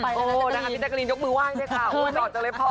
พี่แตกกะลีนยกมือว่ายด้วยค่ะโอ้ยจอดจังเลยพ่อ